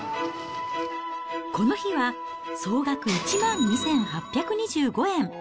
この日は総額１万２８２５円。